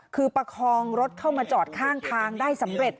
คือประคองรถเข้ามาจอดข้างทางได้สำเร็จ